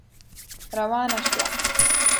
روانه شوه.